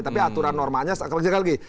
tapi aturan normanya sekali lagi